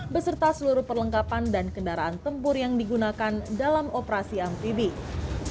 beserta seluruh perlengkapan dan kendaraan tempur yang digunakan dalam operasi amfibi